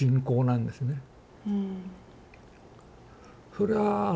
そりゃあ